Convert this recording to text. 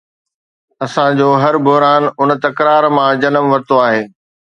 اسان جو هر بحران ان تڪرار مان جنم ورتو آهي.